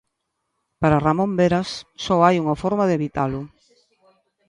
Para Ramón Veras, só hai unha forma de evitalo.